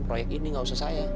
proyek ini gak usah saya